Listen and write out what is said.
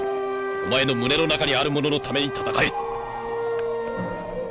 お前の胸の中にあるもののために戦え！